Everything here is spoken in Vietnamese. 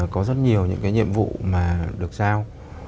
có rất nhiều những nhiệm vụ mà được giao